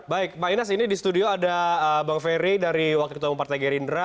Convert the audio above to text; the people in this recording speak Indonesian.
baik pak inas ini di studio ada bang ferry dari wakil ketua umum partai gerindra